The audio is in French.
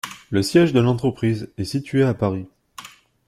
Le siège de l'entreprise est située à Paris.